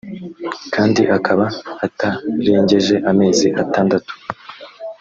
kandi akaba atarengeje amezi atandatu